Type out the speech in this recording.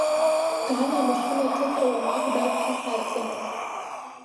Гана амашьына аҭыҵра уамак дақәшаҳаҭӡамызт.